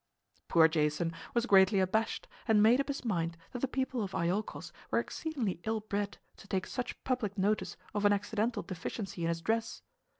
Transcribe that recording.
Poor Jason was greatly abashed and made up his mind that the people of Iolchos were exceedingly ill bred to take such public notice of an accidental deficiency in his dress.